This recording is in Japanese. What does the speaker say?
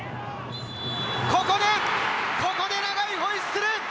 ここで、ここで長いホイッスル。